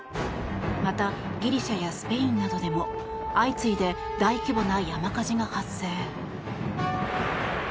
またギリシャやスペインなどでも相次いで大規模な山火事が発生。